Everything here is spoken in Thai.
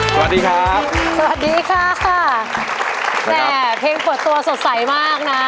สวัสดีครับสวัสดีค่ะค่ะแต่เพลงเปิดตัวสดใสมากนะ